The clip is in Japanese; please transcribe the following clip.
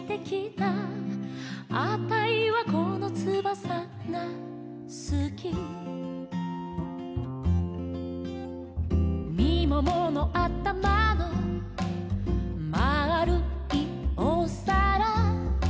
「あたいはこのつばさがすき」「みもものあたまのまあるいおさら」